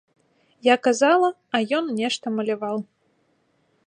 Я казала, а ён нешта маляваў.